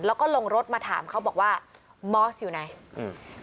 แล้วก็ลงรถมาถามเขาบอกว่ามอสอยู่ไหนอืม